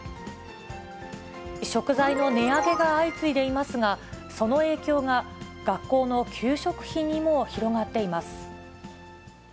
食材の値上げが相次いでいますが、その影響が学校の給食費にも広がっています。